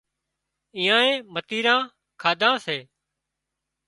ايئانئي متيران ڪاڌان سي